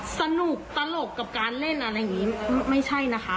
สนุกตลกกับการเล่นอะไรอย่างนี้ไม่ใช่นะคะ